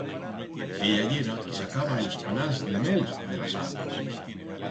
Ella yera qui sacaba els panals de mel de las arnas.